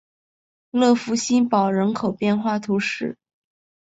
勒福新堡人口变化图示